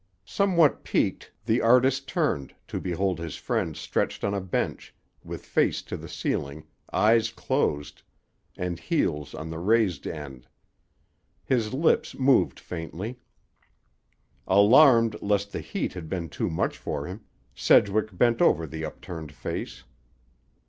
Somewhat piqued, the artist turned, to behold his friend stretched on a bench, with face to the ceiling, eyes closed, and heels on the raised end. His lips moved faintly. Alarmed lest the heat had been too much for him, Sedgwick bent over the upturned face.